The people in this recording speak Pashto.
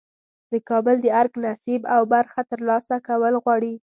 د کابل د ارګ نصیب او برخه ترلاسه کول غواړي.